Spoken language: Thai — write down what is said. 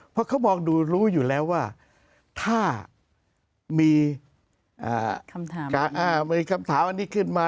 เพราะเขามองดูรู้อยู่แล้วว่าถ้ามีคำถามมีคำถามอันนี้ขึ้นมา